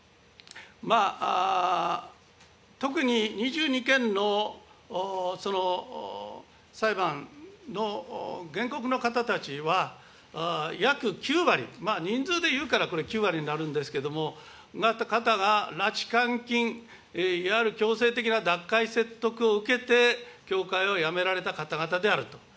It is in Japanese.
特に、２２件の裁判の原告の方たちは約９割、人数で言うからこれ、９割になるんですけれども、方が拉致監禁いわゆる強制的な脱会説得を受けて、教会をやめられた方々であると。